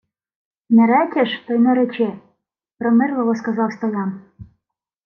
— Не речеш, то й не речи, — примирливо сказав Стоян.